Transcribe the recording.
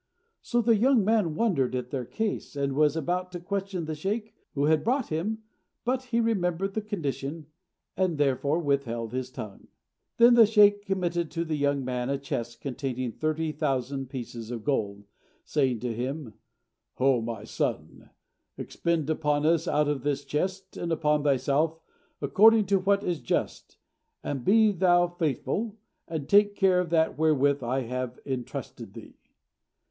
So the young man wondered at their case, and was about to question the sheykh who had brought him, but he remembered the condition, and therefore withheld his tongue. Then the sheykh committed to the young man a chest, containing thirty thousand pieces of gold, saying to him, "O my son, expend upon us out of this chest, and upon thyself, according to what is just, and be thou faithful, and take care of that wherewith I have intrusted thee."